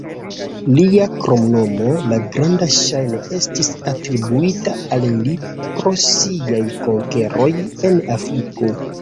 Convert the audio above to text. Lia kromnomo, "La Granda", ŝajne estis atribuita al li pro siaj konkeroj en Afriko.